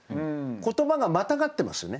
言葉がまたがってますよね